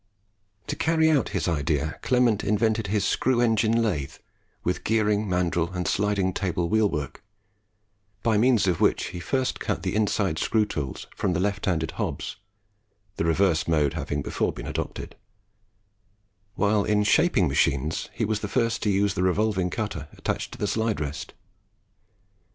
To carry out his idea, Clement invented his screw engine lathe, with gearing, mandrill, and sliding table wheel work, by means of which he first cut the inside screw tools from the left handed hobs the reverse mode having before been adopted, while in shaping machines he was the first to use the revolving cutter attached to the slide rest.